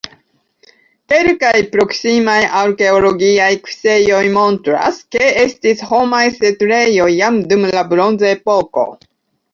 Kelkaj proksimaj arkeologiaj kuŝejoj montras, ke estis homaj setlejoj jam dum la Bronzepoko.